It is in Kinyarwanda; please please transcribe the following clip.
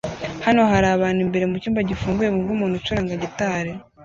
Hano hari abantu imbere mucyumba gifunguye bumva umuntu ucuranga gitari